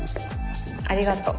ありがとう。